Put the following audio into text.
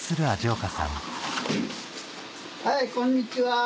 はいこんにちは。